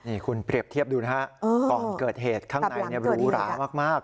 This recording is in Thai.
นี่คุณเทียบดูนะครับก่อนเกิดเหตุข้างในรูหรามาก